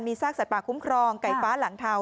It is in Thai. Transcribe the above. ซากสัตว์ป่าคุ้มครองไก่ฟ้าหลังเทา